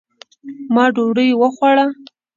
ما ډوډۍ وخوړه